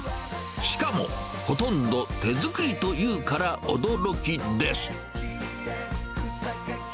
しかも、ほとんど手作りというから驚きです。